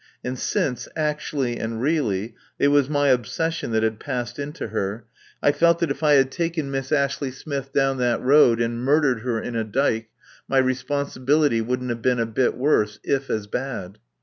And since, actually and really, it was my obsession that had passed into her, I felt that if I had taken Miss Ashley Smith down that road and murdered her in a dyke my responsibility wouldn't have been a bit worse, if as bad.